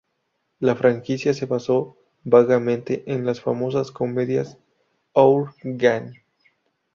La franquicia se basó vagamente en las famosas comedias Our Gang.